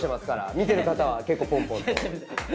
観てる方は結構ポンポンと。